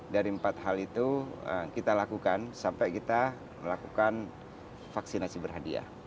dari empat hal itu kita lakukan sampai kita melakukan vaksinasi berhadiah